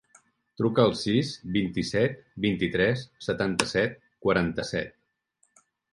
Truca al sis, vint-i-set, vint-i-tres, setanta-set, quaranta-set.